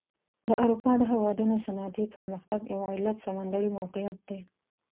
د اروپا د هېوادونو صنعتي پرمختګ یو علت سمندري موقعیت دی.